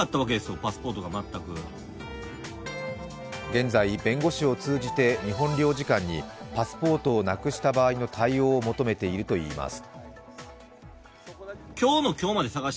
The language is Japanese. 現在、弁護士を通じて日本領事館にパスポートをなくした場合の対応を求めているといいます。